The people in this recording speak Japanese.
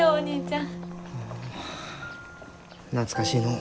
あ懐かしいのう。